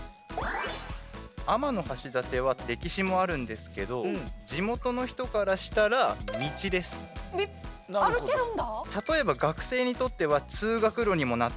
天橋立は歴史もあるんですけど地元の人からしたら歩けるんだ？